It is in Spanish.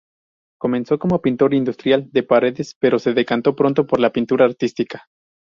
Comenzó como pintor industrial de paredes, pero se decantó pronto por la pintura artística.